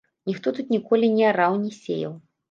Ніхто тут ніколі не араў, не сеяў.